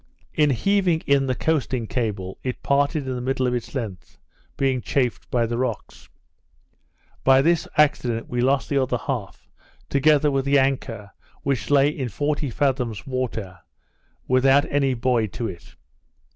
In heaving in the coasting cable, it parted in the middle of its length, being chafed by the rocks. By this accident we lost the other half, together with the anchor, which lay in forty fathoms water, without any buoy to it.